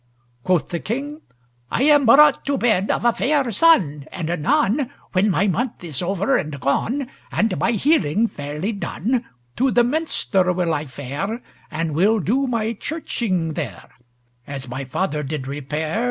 Quoth the King: "I am brought to bed Of a fair son, and anon When my month is over and gone, And my healing fairly done, To the Minster will I fare And will do my churching there, As my father did repair.